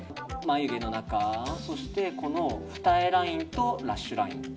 眉毛の中、そして、二重ラインとラッシュライン。